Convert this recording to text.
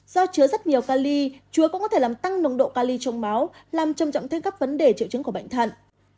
do chứa rất nhiều cali chúa cũng có thể làm tăng nồng độ cali trong máu làm trầm trọng thêm các vấn đề triệu chứng của bệnh thận